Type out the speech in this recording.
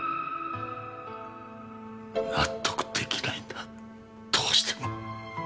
納得出来ないんだどうしても。